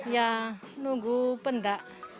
ya nunggu pendak